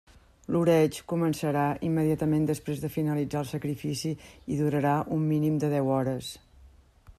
L'oreig començarà immediatament després de finalitzat el sacrifici i durarà un mínim de deu hores.